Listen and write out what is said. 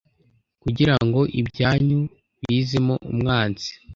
kugira ngo ibyanyu bizemo umwanzi